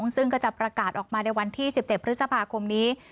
ซึ่งก็จะประกาศออกมาในวันที่๑๗พฤษภาคมนี้